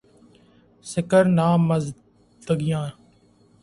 سکر نامزدگیاں